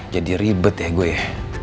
jadi ribet ya gue ya